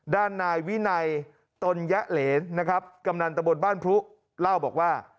ด้านนายวินัยตนยะเหรนนะครับกำนันตะบนบ้านพลุเล่าบอกว่า